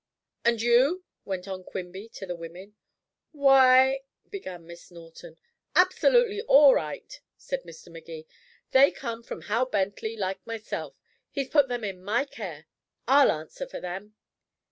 "And you?" went on Quimby to the women. "Why " began Miss Norton. "Absolutely all right," said Mr. Magee. "They come from Hal Bentley, like myself. He's put them in my care. I'll answer for them."